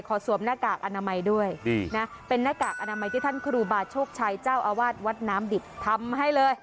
สวมหน้ากากอนามัยด้วยนะเป็นหน้ากากอนามัยที่ท่านครูบาโชคชัยเจ้าอาวาสวัดน้ำดิบทำให้เลย